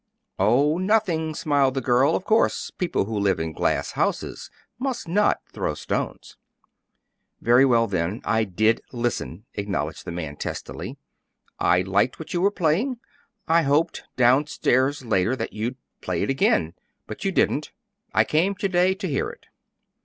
"Oh, nothing," smiled the girl. "Of course people who live in glass houses must not throw stones." "Very well then, I did listen," acknowledged the man, testily. "I liked what you were playing. I hoped, down stairs later, that you'd play it again; but you didn't. I came to day to hear it."